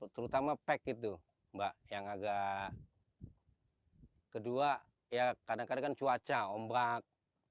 terutama pek itu yang agak kedua kadang kadang cuaca ombrak